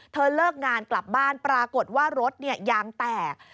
เลิกงานกลับบ้านปรากฏว่ารถยางแตก